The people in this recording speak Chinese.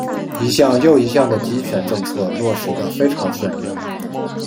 一项又一项的极权政策落实得非常顺利。